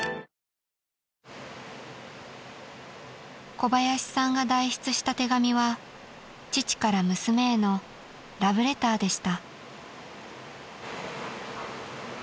［小林さんが代筆した手紙は父から娘へのラブレターでした］